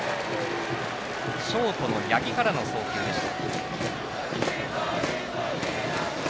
ショートの八木からの送球でした。